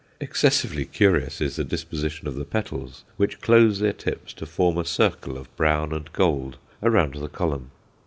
Excessively curious is the disposition of the petals, which close their tips to form a circle of brown and gold around the column.